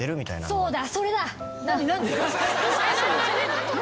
そうだ。